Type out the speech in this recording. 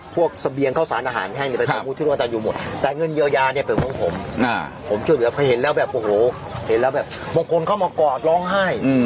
พวกเสบียงเข้าสร้างอาหารแห้งอยู่ดีฮะ